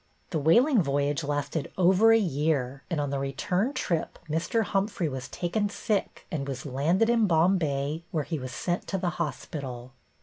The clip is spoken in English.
The whaling voyage lasted over a year, and on the return trip Mr. Humphrey was taken sick and was landed in Bombay, where he was sent to the hospital.